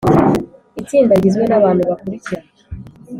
itsinda rigizwe n abantu bakurikira